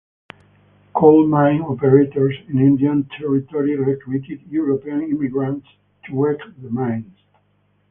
Coal mine operators in Indian Territory recruited European immigrants to work the mines.